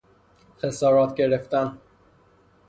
خسارات گرفتن